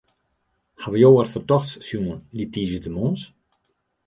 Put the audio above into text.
Hawwe jo wat fertochts sjoen dy tiisdeitemoarns?